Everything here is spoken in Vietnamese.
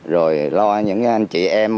rồi lo những anh chị em